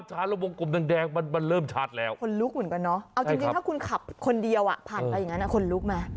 จริงถ้าคุณขับคนเดียวพาคนลุกมา